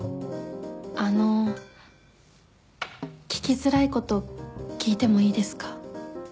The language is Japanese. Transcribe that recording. あの聞きづらいこと聞いてもいいですか？